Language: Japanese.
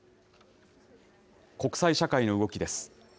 国際社会の動きです。